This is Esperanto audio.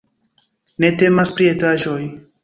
Ne temas pri etaĵoj.